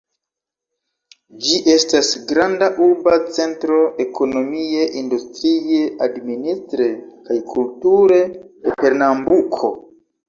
Ĝi estas granda urba centro, ekonomie, industrie, administre kaj kulture, de Pernambuko.